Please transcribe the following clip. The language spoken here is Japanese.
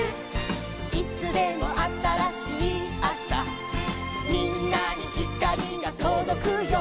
「いつでもあたらしいあさ」「みんなにひかりがとどくよ」